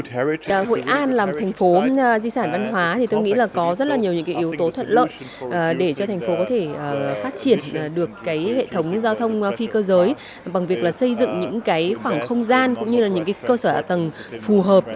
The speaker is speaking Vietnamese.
hội an là một thành phố di sản văn hóa thì tôi nghĩ là có rất là nhiều những yếu tố thuận lợi để cho thành phố có thể phát triển được hệ thống giao thông phi cơ giới bằng việc là xây dựng những khoảng không gian cũng như là những cơ sở hạ tầng phù hợp